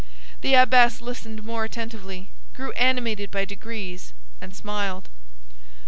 The abbess listened more attentively, grew animated by degrees, and smiled.